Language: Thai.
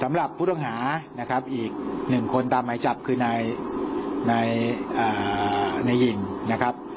สำหรับผู้ต้องหานะครับอีกหนึ่งคนตามหมายจับคือนายหญิงนะครับ